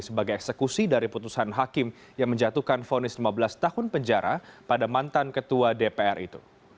sebagai eksekusi dari putusan hakim yang menjatuhkan fonis lima belas tahun penjara pada mantan ketua dpr itu